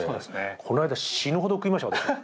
この間、死ぬほど食いました。